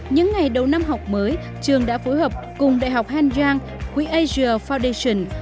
những ngày đầu năm học mới trường đã phối hợp cùng đại học hàn giang quỹ asia foundation